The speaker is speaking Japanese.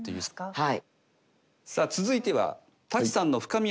はい。